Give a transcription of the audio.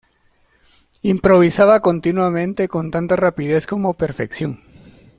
Improvisaba continuamente, con tanta rapidez como perfección.